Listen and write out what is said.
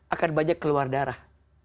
akan banyak keluar darah